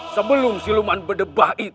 sebelum si luman berdebah itu